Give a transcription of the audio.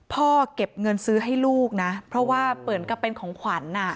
เก็บเงินซื้อให้ลูกนะเพราะว่าเหมือนกับเป็นของขวัญ